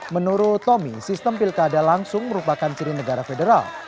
menurut tommy sistem pilkada langsung merupakan ciri negara federal